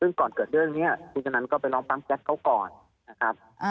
ซึ่งก่อนเกิดเรื่องนี้คุณธนันก็ไปร้องปั๊มแก๊สเขาก่อนนะครับ